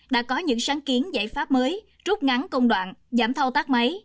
đã có những sáng kiến giải pháp mới rút ngắn công đoạn giảm thao tác máy